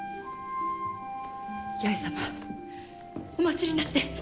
弥江様お待ちになって！